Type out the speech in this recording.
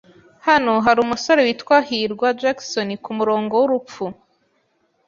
Hano hari umusore witwa hirwa Jackson kumurongo wurupfu.